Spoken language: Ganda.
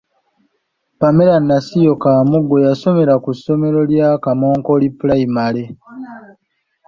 Pamela Nasiyo Kamugo yasomera ku ssomero lya Kamonkoli pulayimale.